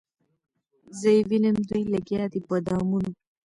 زه یې وینم دوی لګیا دي په دامونو